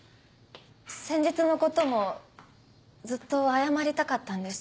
先日のこともずっと謝りたかったんです。